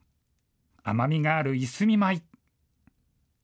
甘みがあるいすみ米。